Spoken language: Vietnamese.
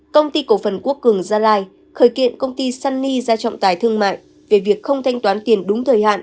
công ty cổ phần quốc cường gia lai khởi kiện công ty sunny ra trọng tài thương mại về việc không thanh toán tiền đúng thời hạn